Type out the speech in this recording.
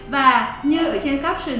và như ở trên caption